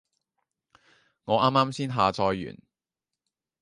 我啱啱先下載完